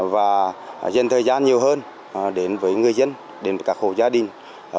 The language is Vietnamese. và dành thời gian nhiều hơn đến với người dân đến với các hồ gia đình